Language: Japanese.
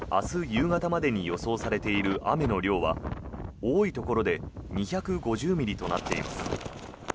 夕方までに予想されている雨の量は多いところで２５０ミリとなっています。